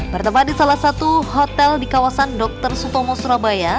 bertempat di salah satu hotel di kawasan dr sutomo surabaya